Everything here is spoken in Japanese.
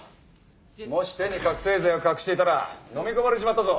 もし手に覚醒剤を隠していたら飲み込まれちまったぞ。